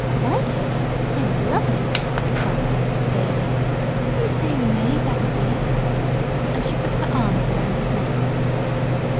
"Like it? I'd love it!" cried Alice, gaily, "Do say we may, Daddy dear!" and she put her arms around his neck.